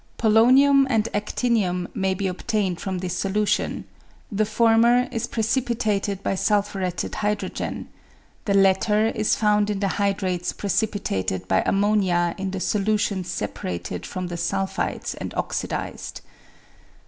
Polonium and adinium may be obtained from this solution ; the former is precipitated by sulphuretted hydrogen, the latter is found in the hydrates precipitated by ammonia in the solution separated from the sulphides and oxidised.